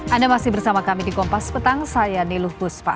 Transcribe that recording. anda masih bersama kami di kompas petang saya niluh puspa